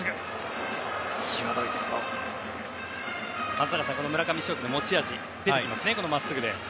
松坂さん、村上頌樹の持ち味出てきていますね、まっすぐで。